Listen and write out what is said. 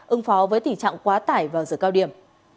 ưng phó với tình trạng quá tải và giữa cao điểm